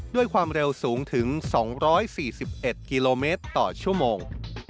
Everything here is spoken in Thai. ด้วยความเร็วสูงถึง๒๔๑กิโลเมตรต่อชั่วโมง